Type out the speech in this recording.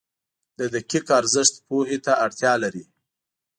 • د دقیقه ارزښت پوهې ته اړتیا لري.